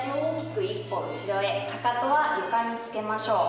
かかとは床につけましょう。